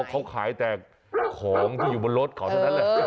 เขาขายแต่ของที่อยู่บนรถเขาเท่านั้นแหละ